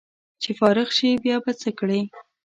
چې فارغ شې بیا به څه کړې